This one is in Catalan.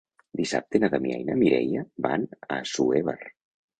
Dissabte na Damià i na Mireia van a Assuévar.